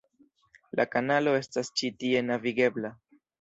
La kanalo estas ĉi tie navigebla.